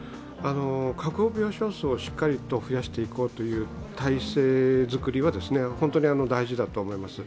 確保病床数をしっかりと増やしていこうという体制作りは本当に大事だと思います。